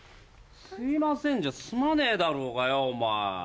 すいませんじゃすまねえだろうがよお前。